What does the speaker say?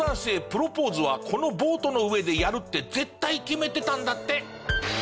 プロポーズはこのボートの上でやるって絶対決めてたんだって。